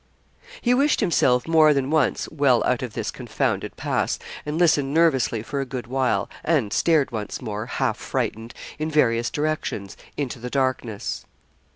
He wished himself more than once well out of this confounded pass, and listened nervously for a good while, and stared once more, half frightened, in various directions, into the darkness.